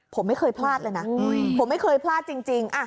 ผมไม่เคยพลาดเลยนะผมไม่เคยพลาดจริง